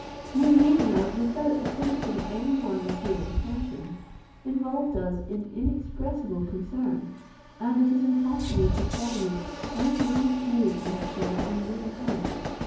Your leaving us without acquainting any one with your intention, involved us in inexpressible concern; and it is impossible to tell you how many tears we have shed on your account.